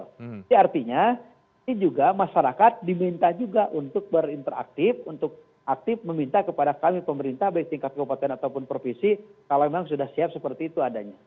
jadi artinya ini juga masyarakat diminta juga untuk berinteraktif untuk aktif meminta kepada kami pemerintah baik tingkat keupatan ataupun provinsi kalau memang sudah siap seperti itu adanya